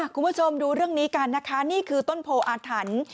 คุณผู้ชมดูเรื่องนี้กันนะคะนี่คือต้นโพออาถรรพ์